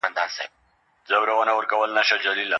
هغوی پرون د ښځو په اړه خبري کولې.